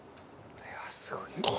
これはすごいな。